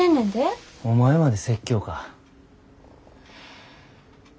お前まで説教か。